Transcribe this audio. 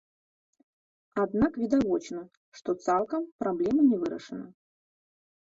Аднак відавочна, што цалкам праблема не вырашана.